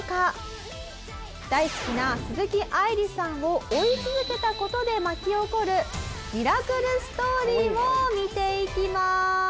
大好きな鈴木愛理さんを追い続けた事で巻き起こるミラクルストーリーを見ていきます。